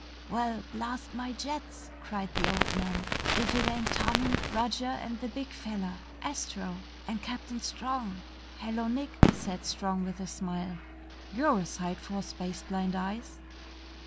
"Well, blast my jets!" cried the old man. "If it ain't Tommy, Roger, and the big fella, Astro! And Captain Strong!" "Hello, Nick!" said Strong with a smile. "You're a sight for space blind eyes!"